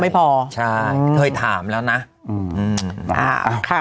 ไม่พอใช่เคยถามแล้วนะอืมอ่าค่ะ